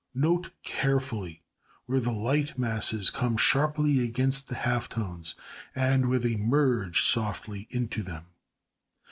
Note carefully where the light masses come sharply against the half tones and where they merge softly into them.